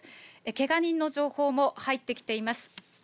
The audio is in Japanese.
けが人の情報も入ってきています。